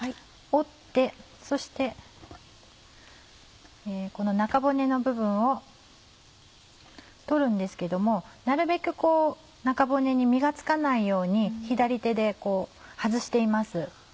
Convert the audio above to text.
折ってそしてこの中骨の部分を取るんですけどもなるべくこう中骨に身が付かないように左手でこう外しています。